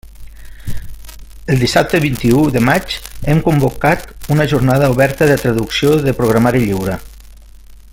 El dissabte vint-i-u de maig hem convocat una Jornada oberta de traducció de programari lliure.